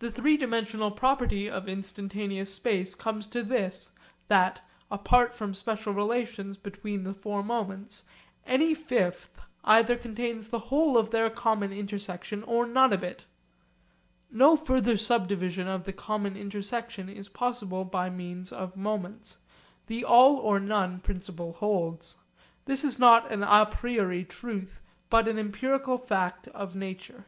The three dimensional property of instantaneous space comes to this, that (apart from special relations between the four moments) any fifth moment either contains the whole of their common intersection or none of it. No further subdivision of the common intersection is possible by means of moments. The 'all or none' principle holds. This is not an à priori truth but an empirical fact of nature.